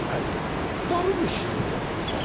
ダルビッシュいいんじゃないですか？